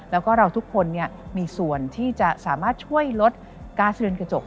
แล้วก็เราทุกคนมีส่วนที่จะสามารถช่วยลดก๊าซเรือนกระจก